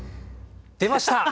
出ました！